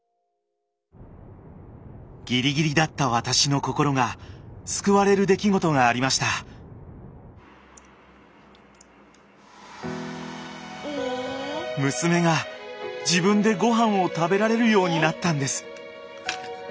ギリギリだった私の心が救われる出来事がありました娘が自分でごはんを食べられるようになったんです